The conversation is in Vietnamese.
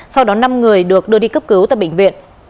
sau đó năm người được đưa đi cấp cứu tại bệnh viện